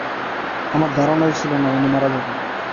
আমার ধারণাই ছিলনা উনি মারা যাবেন।